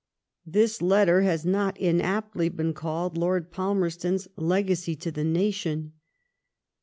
This letter has not inaptly been called Lord Palmer Eton's legacy to the nation.